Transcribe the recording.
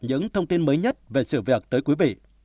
những thông tin mới nhất về sự việc tới quý vị